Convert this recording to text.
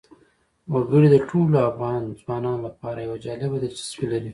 وګړي د ټولو افغان ځوانانو لپاره یوه جالبه دلچسپي لري.